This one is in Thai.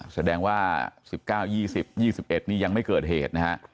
แสดงว่า๑๙๒๐๒๑นี่ยังไม่เกิดเหตุนะฮะ